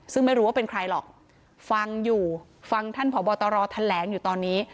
ซึ่งไม่รู้ว่าเป็นใครหรอกฟังอยู่ฟังท่านผอบตรแถลงอยู่ตอนนี้